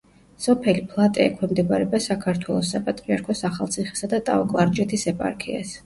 სოფელი ფლატე ექვემდებარება საქართველოს საპატრიარქოს ახალციხისა და ტაო-კლარჯეთის ეპარქიას.